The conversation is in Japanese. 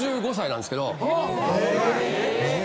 え！